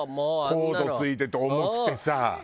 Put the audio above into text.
コードついてて重くてさ。